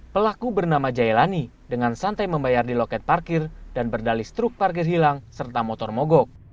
pelaku bernama jailani dengan santai membayar di loket parkir dan berdalis truk parkir hilang serta motor mogok